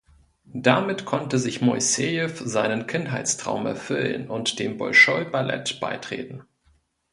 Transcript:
Damit konnte sich Moissejew seinen Kindheitstraum erfüllen und dem Bolschoi-Ballett beitreten.